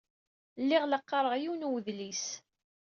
Lliɣ la qqareɣ yiwen n wedlis.